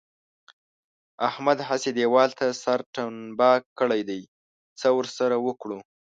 احمد هسې دېوال ته سر ټنبه کړی دی؛ څه ور سره وکړو؟!